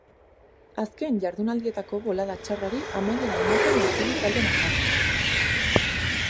Azken jardunaldietako bolada txarrari amaiera ematea lortu du talde nafarrak.